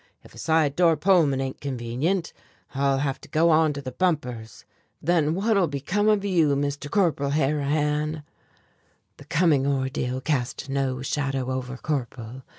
If a side door Pullman ain't convenient, I'll have to go on the bumpers, then what'll become of you, Mr. Corporal Harrihan?" The coming ordeal cast no shadow over Corporal.